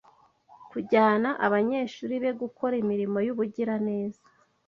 kujyana abanyeshuri be gukora imirimo y’ubugiraneza.